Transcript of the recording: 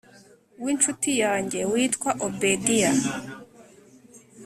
winshuti yanjye witwa obedia